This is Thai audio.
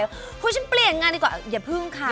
คุณฉันเปลี่ยนงานดีกว่าอย่าพึ่งค่ะ